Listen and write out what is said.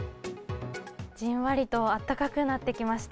じんわりとあったかくなってきました。